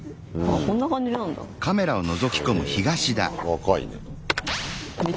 若いね。